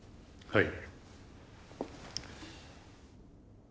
はい。